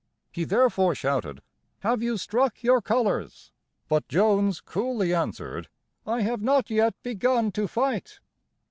He therefore shouted: "Have you struck your colors?" But Jones coolly answered: "I have not yet begun to fight."